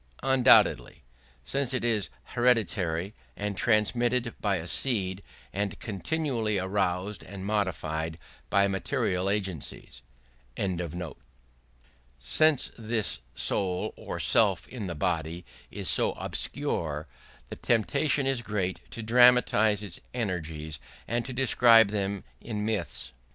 Undoubtedly; since it is hereditary and transmitted by a seed, and continually aroused and modified by material agencies. Since this soul or self in the body is so obscure, the temptation is great to dramatise its energies and to describe them in myths.